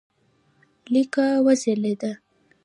لیکه وځلېده.